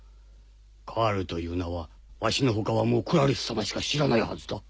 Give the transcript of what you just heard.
カールという名はわしの他はもうクラリスさましか知らないはずだ。